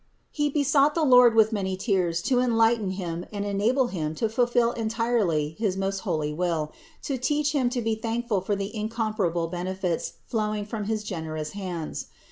He besought the Lord with many tears to enlighten him and enable him to fulfill entirely his most holy will, to teach him to be thankful for the incomparable benefits flowing from his generous hands.